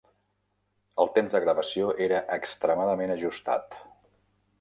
El temps de gravació era extremadament ajustat.